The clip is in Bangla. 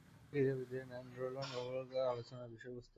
অনেক পেশাদার ক্রীড়াবিদের ন্যান্ড্রোলন ব্যবহার আলোচনার বিষয়বস্তু হয়েছে।